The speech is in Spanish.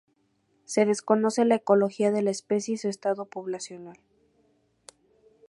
Se desconoce la ecología de la especie y su estado poblacional.